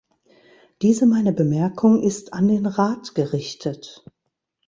Diese meine Bemerkung ist an den Rat gerichtet.